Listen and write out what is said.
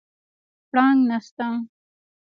پړانګ نسته